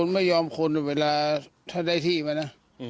ไม่ยอมคนเวลาถ้าได้ที่มานะ